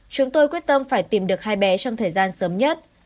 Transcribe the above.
chúng tôi quyết tâm phải tìm được hai bé trong thời gian sớm nhất